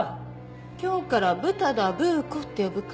今日からブタ田ブー子って呼ぶから